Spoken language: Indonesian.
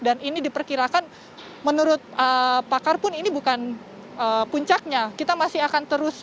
dan ini diperkirakan menurut pakar pun ini bukan puncaknya kita masih akan terus ada bulan maret